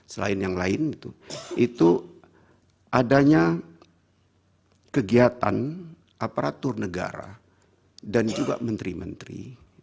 selain yang lain itu adanya kegiatan aparatur negara dan juga menteri menteri